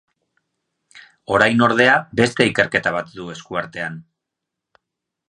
Orain, ordea, beste ikerketa bat du eskuartean.